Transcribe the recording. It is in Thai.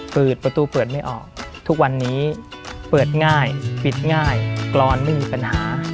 เปิดประตูเปิดไม่ออกทุกวันนี้เปิดง่ายปิดง่ายกรอนไม่มีปัญหา